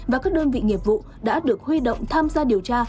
và các đơn vị nghiệp vụ đã được huy động tham gia điều tra